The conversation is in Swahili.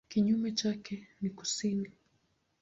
Kinyume chake ni kusini.